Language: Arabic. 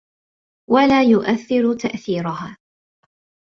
وَلَا يُؤَثِّرُ تَأْثِيرَهَا